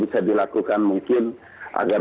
bisa dilakukan mungkin agar